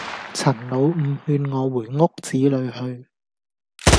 陳老五勸我回屋子裏去。